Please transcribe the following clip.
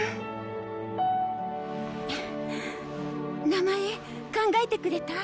名前考えてくれた？